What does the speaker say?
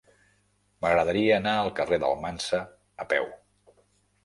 M'agradaria anar al carrer d'Almansa a peu.